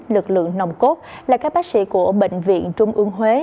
lực lượng nồng cốt là các bác sĩ của bệnh viện trung ương huế